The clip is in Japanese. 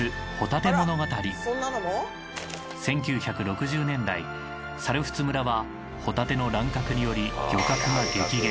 １９６０年代猿払村はホタテの乱獲により漁獲が激減。